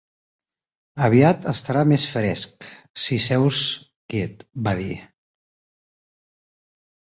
"Aviat estarà més fresc, si seus quiet", va dir.